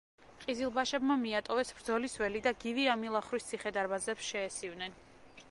ყიზილბაშებმა მიატოვეს ბრძოლის ველი და გივი ამილახვრის ციხე-დარბაზებს შეესივნენ.